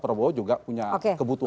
prabowo juga punya kebutuhan